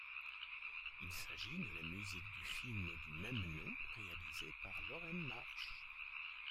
Il s'agit de la musique du film du même nom réalisé par Loren Marsh.